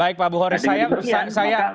baik pak buhari saya bersan saya